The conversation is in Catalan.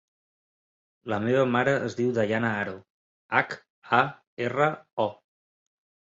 La meva mare es diu Dayana Haro: hac, a, erra, o.